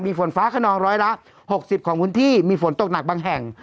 มีฝนฟ้าขนองร้อยละ๖๐ของพื้นที่มีฝนตกหนักบางแห่ง